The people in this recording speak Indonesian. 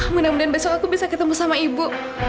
mudah mudahan besok aku bisa ketemu sama ibu